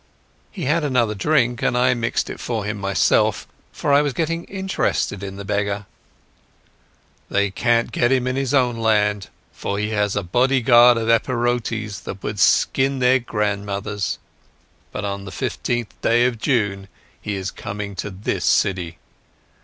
He had another drink, and I mixed it for him myself, for I was getting interested in the beggar. "They can't get him in his own land, for he has a bodyguard of Epirotes that would skin their grandmothers. But on the 15th day of June he is coming to this city.